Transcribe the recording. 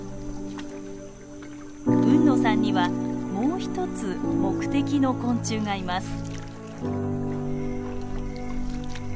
海野さんにはもう一つ目的の昆虫がいます。